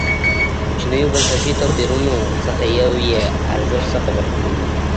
کوچنیو بنسټي توپیرونو څخه یو یې ارزښت څخه برخمن و.